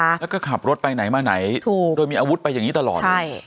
แล้วก็ขับรถไปไหนมาไหนถูกโดยมีอาวุธไปอย่างนี้ตลอดใช่